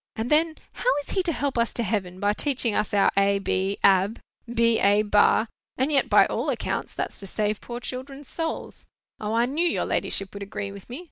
And then, how is he to help us to heaven, by teaching us our, a b, ab—b a, ba? And yet, by all accounts, that's to save poor children's souls. O, I knew your ladyship would agree with me.